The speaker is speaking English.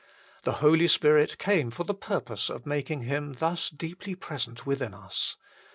The Holy Spirit came for the purpose of making Him thus deeply present within us.